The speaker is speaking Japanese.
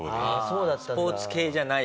スポーツ系じゃない。